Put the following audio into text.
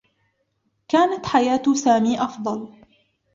كانت حياة سامي أفضل.